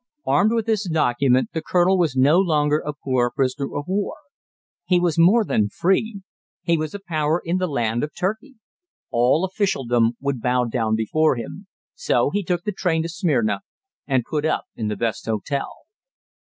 Armed with this document the colonel was no longer a poor prisoner of war. He was more than free; he was a power in the land of Turkey. All officialdom would bow down before him. So he took the train to Smyrna and put up in the best hotel.